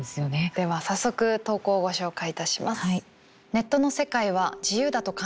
では早速投稿をご紹介いたします。